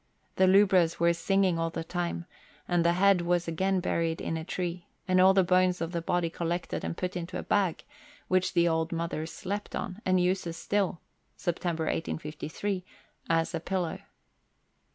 The lubras were singing all the time, and the head was again buried in a tree, and all the bones of the body collected and put into a bag, which the old mother slept on, and uses still (September 1853) as a pillow.